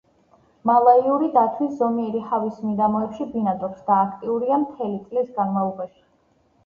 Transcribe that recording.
მალაიური დათვი ზომიერი ჰავის მიდამოებში ბინადრობს და აქტიურია მთელი წლის განმავლობაში.